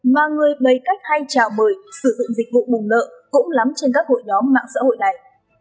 mà người bày cách hay trào bời sử dụng dịch vụ bùng nợ cũng lắm trên các hội nhóm mạng xã hội này